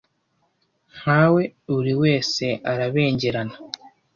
nkawe buri wese arabengerana